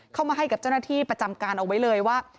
เข้ามาให้กับเจ้าหน้าที่ประจำการเอาไว้เลยว่า